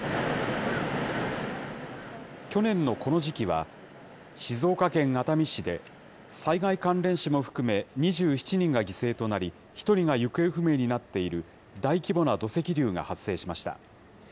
去年のこの時期は、静岡県熱海市で、災害関連死も含め、２７人が犠牲となり、１人が行方不明になっている大規模な土石流が発生しました。